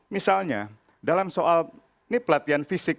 misalnya dalam soal ini pelatihan fisik